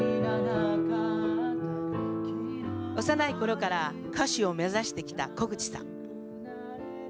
幼いころから歌手を目指してきた小口さん。